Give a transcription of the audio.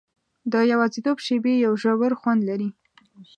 د یوازیتوب شېبې یو ژور خوند لري.